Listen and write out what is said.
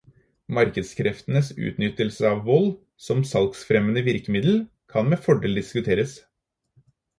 Markedskreftenes utnyttelse av vold som salgsfremmende virkemiddel kan med fordel diskuteres.